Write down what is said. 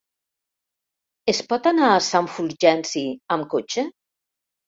Es pot anar a Sant Fulgenci amb cotxe?